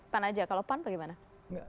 pan aja kalau pan bagaimana